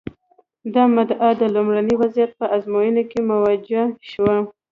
دا مدعا د لومړني وضعیت په ازموینو کې موجه شوه.